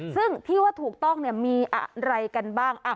ซึ่งที่ว่าถูกต้องมีอะไรกันบ้าง